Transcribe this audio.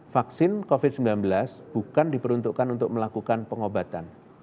vaksin covid sembilan belas bukan diperuntukkan untuk melakukan pengobatan